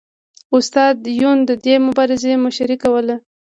استاد یون د دې مبارزې مشري کوله